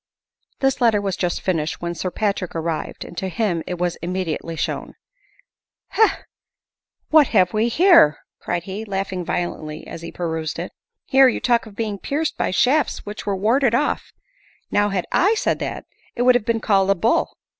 This letter was just finished when Sir Patrick arrived, and to him it was immediately shown. " Heh ! what have we here ?" cried he, laughing violently as he perused it. " Here you f talk of being pierced by shafts which were warded off. Now, had I said that, it would have been called a bull.